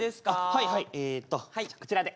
はいはいえっとこちらで。